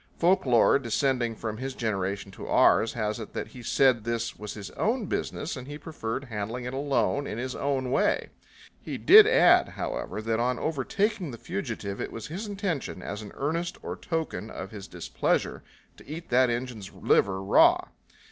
Folklore, descending from his generation to ours, has it that he said this was his own business and he preferred handling it alone in his own way. He did add, however, that on overtaking the fugitive it was his intention, as an earnest or token of his displeasure, to eat that Injun's liver raw.